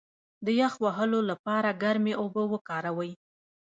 د یخ وهلو لپاره ګرمې اوبه وکاروئ